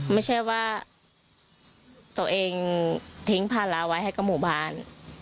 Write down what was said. ไม่ใช่ว่าตัวเองทิ้งภาระไว้ให้กับหมู่บ้าน